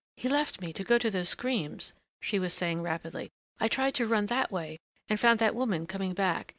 "He left me, to go to those screams," she was saying rapidly. "I tried to run that way and found that woman coming back.